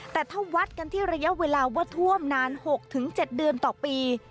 แต่ถ้าวัดกันที่ระยะเวลาว่าท่วมนาน๖๗เดือนต่อปี